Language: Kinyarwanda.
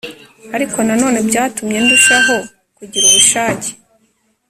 Ariko nanone byatumye ndushaho kugira ubushake